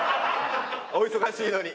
お忙しいのに。